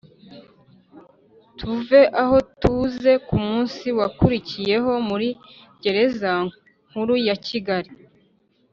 tuve aho tuze kumunsi wakurikiyeho muri gereza nkuru ya kigali